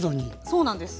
そうなんです。